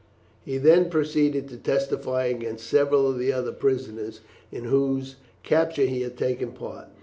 He then proceeded to testify against several of the other prisoners in whose capture he had taken part.